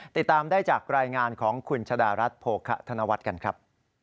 ติดตามได้จากรายงานของคุณชะดารัฐโภคะธนวัฒน์กันครับ